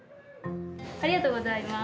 ありがとうございます。